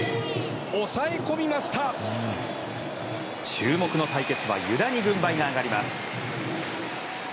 注目の対決は湯田に軍配が上がります。